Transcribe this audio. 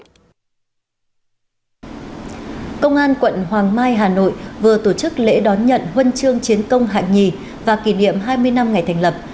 công an quận hoàng mai hà nội vừa tổ chức lễ đón nhận huân chương chiến công hạng nhì và kỷ niệm hai mươi năm ngày thành lập